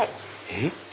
えっ？